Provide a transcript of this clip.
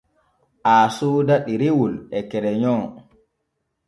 Aa sooda ɗerewol e kereyon.